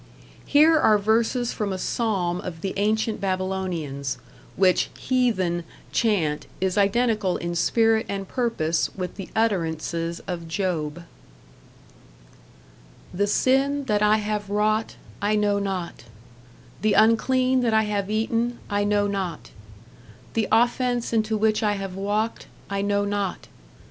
Here are verses from a psalm of the ancient Babylonians, which "heathen" chant is identical in spirit and purpose with the utterances of Job: The Sin that I have wrought, I know not; The unclean that I have eaten, I know not; The offense into which I have walked, I know not....